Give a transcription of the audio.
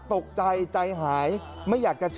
ไปดีนะห้อยมักเจ้าหลายพร